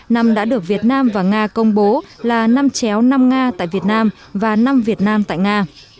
năm đã được việt nam và nga công bố là năm chéo năm nga tại việt nam và năm việt nam tại nga